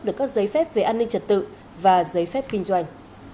được các giấy phép về an ninh trật tự và giấy phép kinh doanh